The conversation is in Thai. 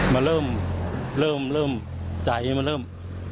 มันเริ่มเริ่มใจตัวมันเริ่ม